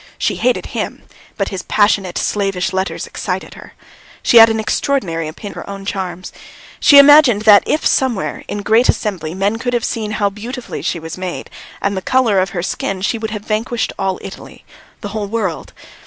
She hated him, but his passionate, slavish letters excited her. She had an extraordinary opinion of her own charms; she imagined that if somewhere, in some great assembly, men could have seen how beautifully she was made and the colour of her skin, she would have vanquished all Italy, the whole world.